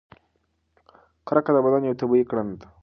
کرکه د بدن یوه طبیعي کړنه ده.